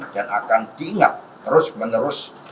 dan akan diingat terus menerus